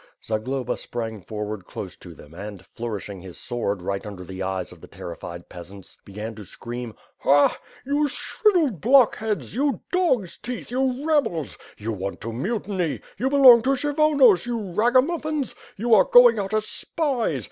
Zagloba sprang forward close to them and, flourishing his sword right under the eyes of the terrified peasants, began to scream: "Ha! You shrivelled blockheads, you dogs' teeth, you rebel*! You want to mutiny! You belong to Krshyvonos 476 W'/r// FIRE AND ^WORD. you ragamuffins! You are going out as spies!